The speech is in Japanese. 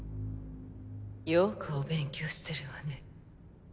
よくお勉強してるわね